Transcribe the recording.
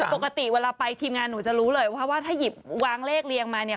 ปกติเวลาไปทีมงานหนูจะรู้เลยว่าถ้าหยิบวางเลขเรียงมาเนี่ย